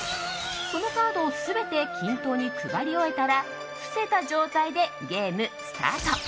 そのカードを全て均等に配り終えたら伏せた状態でゲームスタート！